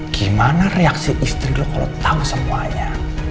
gimana reaksi istri lo kalau tahu semuanya